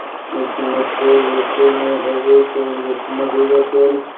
د تیمورشاه لیکونو هغوی ته اندېښنه پیدا کوله.